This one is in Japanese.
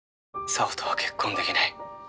沙帆とは結婚できない。